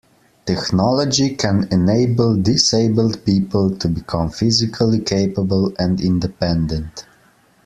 Technology can enable disabled people to become physically capable and independent.